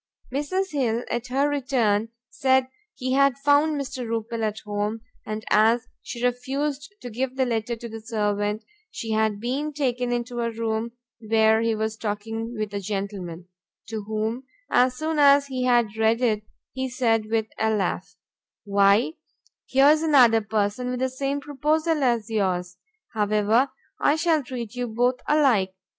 Mrs. Hill at her return said she had found Mr. Rupil at home, and as she refused to give the letter to the servant, she had been taken into a room where he was talking with a gentleman, to whom, as soon as he had read it, he said with a laugh, "Why here's another person with the same proposal as yours! however, I shall treat you both alike."